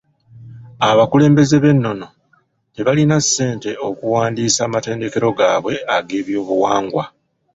Abakulembeze b'ennono tebalina ssente okuwandiisa amatendekero gaabwe ag'ebyobuwangwa.